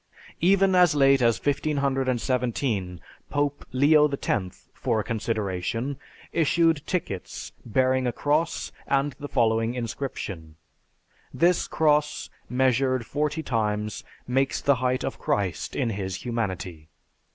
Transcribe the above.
Even as late as 1517, Pope Leo X, for a consideration, issued tickets bearing a cross and the following inscription, "This cross measured forty times makes the height of Christ in His humanity.